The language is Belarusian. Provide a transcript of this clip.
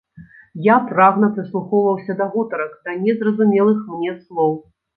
Я прагна прыслухоўваўся да гутарак, да незразумелых мне слоў.